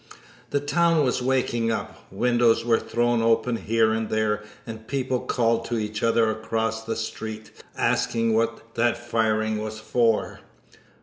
The town was waking up. Windows were thrown open here and there and people called to each other across the streets asking what that firing was for.